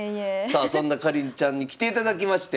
さあそんなかりんちゃんに来ていただきまして。